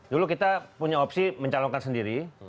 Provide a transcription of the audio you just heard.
dulu kita punya opsi mencalonkan sendiri